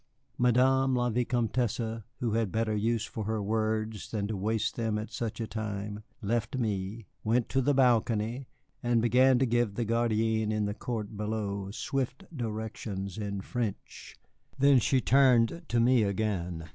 Madame la Vicomtesse, who had better use for her words than to waste them at such a time, left me, went to the balcony, and began to give the gardienne in the court below swift directions in French. Then she turned to me again.